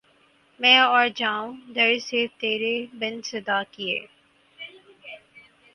میں اور جاؤں در سے ترے بن صدا کیے